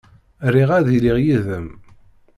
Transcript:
Riɣ ad iliɣ yid-m.